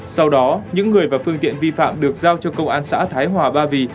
sau đó những người và phương tiện vi phạm được giao cho công an xã thái hòa ba vì